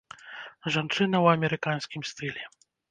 Жанчына ў амерыканскім стылі.